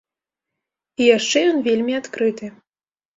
І яшчэ ён вельмі адкрыты.